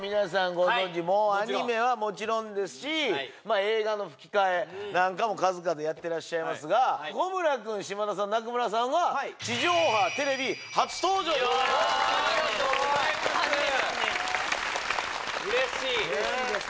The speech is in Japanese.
ご存じアニメはもちろんですし映画の吹き替えなんかも数々やってらっしゃいますが小村君島田さん中村さんは地上派テレビ初登場でございますありがとうございます初めてなんです嬉しい嬉しいですね